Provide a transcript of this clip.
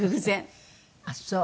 ああそう。